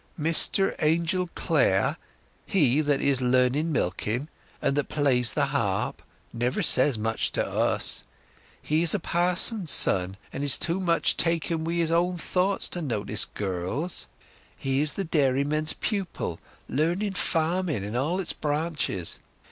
"Mr Angel Clare—he that is learning milking, and that plays the harp—never says much to us. He is a pa'son's son, and is too much taken up wi' his own thoughts to notice girls. He is the dairyman's pupil—learning farming in all its branches.